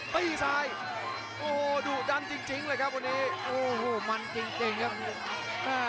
ตีซ้ายโอ้โหดุดันจริงเลยครับวันนี้โอ้โหมันจริงครับ